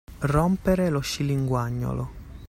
Rompere lo scilinguagnolo.